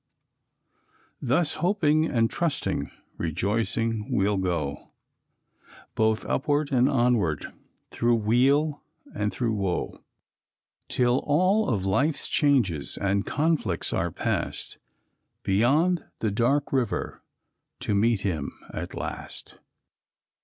Thus hoping and trusting, rejoicing, we'll go, Both upward and onward through weal and through woe 'Till all of life's changes and conflicts are past Beyond the dark river, to meet him at last."